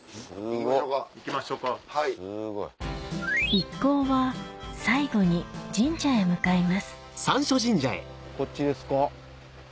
一行は最後に神社へ向かいますこっちですか。